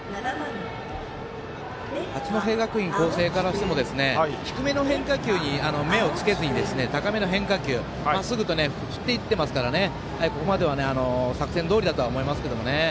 八戸学院光星からしても低めの変化球に目をつけずに高めの変化球まっすぐと振っていってますからここまでは作戦どおりだと思います。